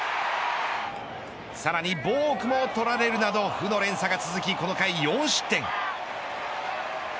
さらにボークも取られるなど負の連鎖が続きこの回４失点。